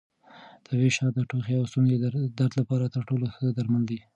طبیعي شات د ټوخي او ستوني درد لپاره تر ټولو ښه درمل دي.